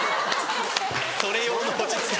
それ用の「落ち着け」。